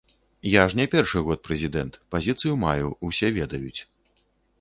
Я ж не першы год прэзідэнт, пазіцыю маю, усе ведаюць.